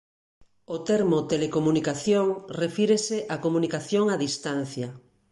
O termo telecomunicación refírese á comunicación a distancia.